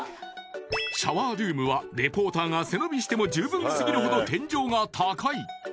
［シャワールームはリポーターが背伸びしてもじゅうぶん過ぎるほど天井が高い］